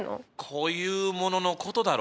こういうもののことだろ。